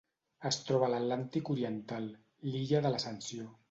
Es troba a l'Atlàntic oriental: l'illa de l'Ascensió.